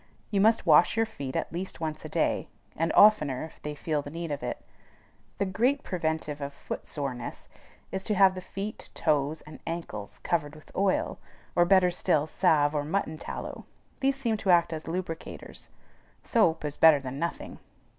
You must wash your feet at least once a day, and oftener if they feel the need of it. The great preventive of foot soreness is to have the feet, toes, and ankles covered with oil, or, better still, salve or mutton tallow; these seem to act as lubricators. Soap is better than nothing.